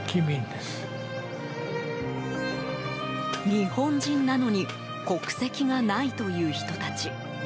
日本人なのに国籍がないという人たち。